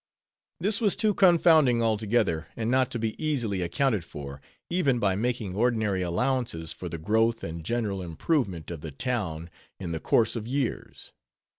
This was too confounding altogether, and not to be easily accounted for, even by making ordinary allowances for the growth and general improvement of the town in the course of years.